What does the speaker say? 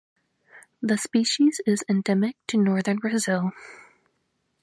The species is endemic to northern Brazil.